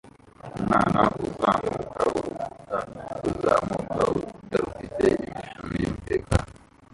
Umwana uzamuka urukuta ruzamuka urukuta rufite imishumi yumutekano